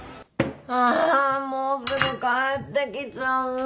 あもうすぐ帰ってきちゃう。